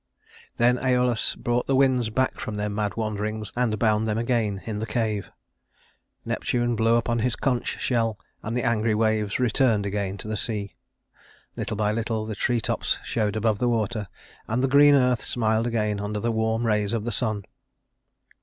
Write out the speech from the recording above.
Then Æolus brought the winds back from their mad wanderings and bound them again in the cave. Neptune blew upon his conch shell, and the angry waves returned again to the sea. Little by little the tree tops showed above the water, and the green earth smiled again under the warm rays of the sun.